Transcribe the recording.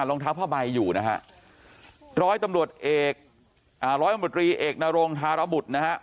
รองเท้าผ้าใบอยู่นะฮะร้อยตำรวจเอกอ่าร้อยตำรวจรีเอกนรงธารบุตรนะฮะ